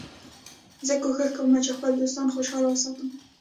زه کوښښ کوم چي خپل دوستان خوشحاله وساتم.